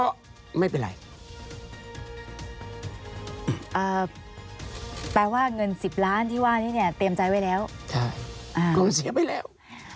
อ่าแปลว่าเงินสิบล้านที่ว่านี้เนี่ยเตรียมใจไว้แล้วใช่อ่ากูเสียไปแล้ว